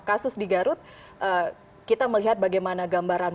kasus di garut kita melihat bagaimana gambaran